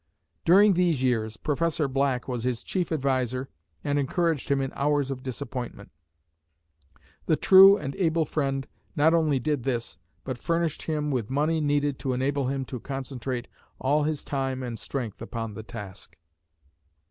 During these years, Professor Black was his chief adviser and encouraged him in hours of disappointment. The true and able friend not only did this, but furnished him with money needed to enable him to concentrate all his time and strength upon the task.